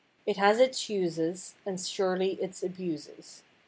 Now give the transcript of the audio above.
It has its uses and surely its abuses.